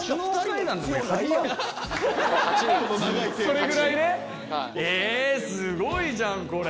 それぐらいねえすごいじゃんこれ。